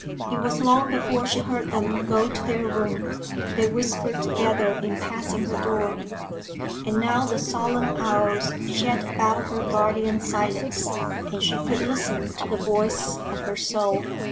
It was long before she heard them go to their room; they whispered together in passing her door. And now the solemn hours shed about her guardian silence, and she could listen to the voice of her soul.